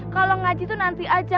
kalau ngaji tuh nanti aja